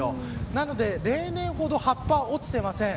なので例年ほど葉っぱ、落ちてません。